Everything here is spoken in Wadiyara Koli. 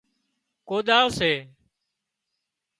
ڪوۮاۯ سي